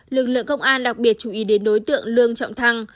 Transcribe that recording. lực lượng công an đặc biệt chú ý đến đối tượng lương trọng thăng